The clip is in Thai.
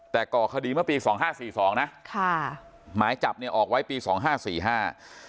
แต่ก่อคดีเมื่อปีสองห้าสี่สองนะค่ะหมายจับเนี่ยออกไว้ปีสองห้าสี่ห้า